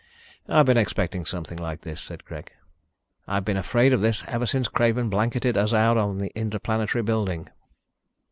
"I've been expecting something like this," said Greg. "I have been afraid of this ever since Craven blanketed us out of the Interplanetary building."